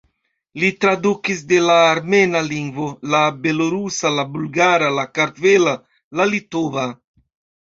Li tradukis de la armena lingvo, la belorusa, la bulgara, la kartvela, la litova.